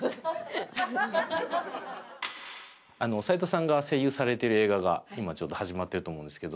齊藤さんが声優されてる映画が今ちょうど始まってると思うんですけど。